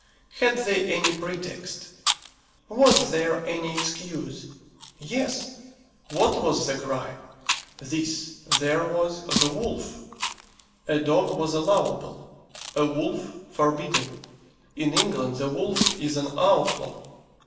Had they any pretext? Was there any excuse? Yes. What was the crime? This: there was the wolf. A dog was allowable; a wolf forbidden. In England the wolf is an outlaw.